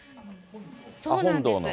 そうなんです。